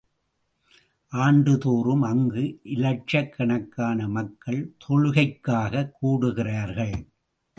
ஆண்டு தோறும் அங்கு இலட்சக் கணக்கான மக்கள் தொழுகைக்காகக் கூடுகிறார்கள்.